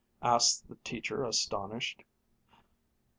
asked the teacher, astonished.